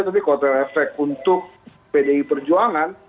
tapi kotel efek untuk pdi perjuangan